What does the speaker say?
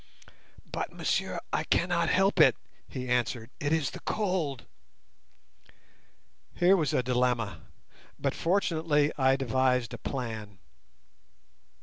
"But, monsieur, I cannot help it," he answered, "it is the cold." Here was a dilemma, but fortunately I devised a plan.